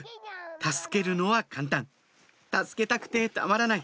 助けるのは簡単助けたくてたまらない